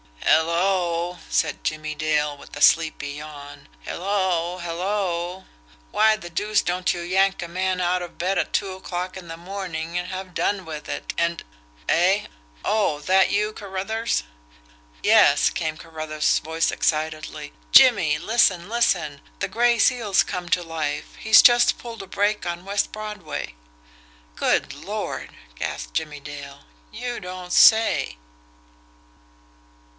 "Hello!" said Jimmie Dale, with a sleepy yawn. "Hello! Hello! Why the deuce don't you yank a man out of bed at two o'clock in the morning and have done with it, and eh? Oh, that you, Carruthers?" "Yes," came Carruthers' voice excitedly. "Jimmie, listen listen! The Gray Seal's come to life! He's just pulled a break on West Broadway!" "Good Lord!" gasped Jimmie Dale. "You don't say!"